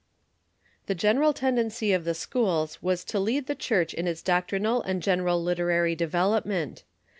The general tendency of the schools was to lead the Church in its doctrinal and general literary development.